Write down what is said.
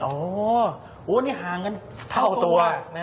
โอ้โหนี่ห่างกันเท่าตัว